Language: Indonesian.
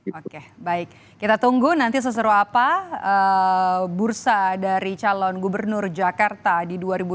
oke baik kita tunggu nanti seseru apa bursa dari calon gubernur jakarta di dua ribu dua puluh